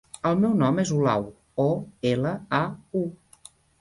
El meu nom és Olau: o, ela, a, u.